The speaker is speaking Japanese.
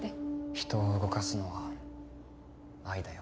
人を動かすのは愛だよ。